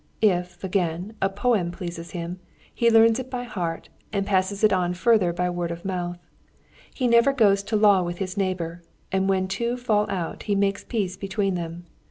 If, again, a poem pleases him, he learns it by heart, and passes it on further by word of mouth. He never goes to law with his neighbour, and when two fall out he makes peace between them.